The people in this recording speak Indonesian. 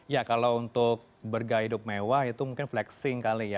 ya kalau untuk bergaiduk mewah itu mungkin flexing kali ya